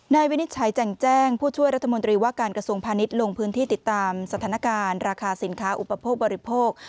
วินิจฉัยแจ่งแจ้งผู้ช่วยรัฐมนตรีว่าการกระทรวงพาณิชย์ลงพื้นที่ติดตามสถานการณ์ราคาสินค้าอุปโภคบริโภค